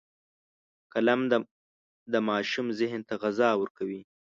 قلم د ماشوم ذهن ته غذا ورکوي